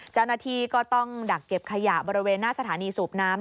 เจ้าหน้าที่ก็ต้องดักเก็บขยะบริเวณหน้าสถานีสูบน้ำ